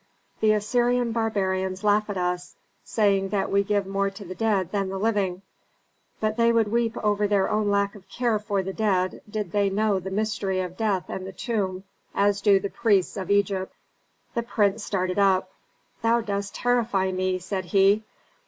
"The Assyrian barbarians laugh at us, saying that we give more to the dead than the living; but they would weep over their own lack of care for the dead did they know the mystery of death and the tomb as do the priests of Egypt." The prince started up. "Thou dost terrify me," said he.